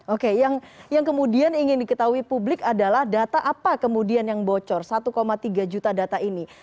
oke yang kemudian ingin diketahui publik adalah data apa kemudian yang bocor satu tiga juta data ini